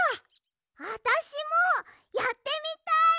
あたしもやってみたい！